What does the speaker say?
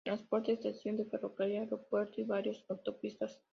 Transporte: estación de ferrocarril, aeropuerto y varias autopistas.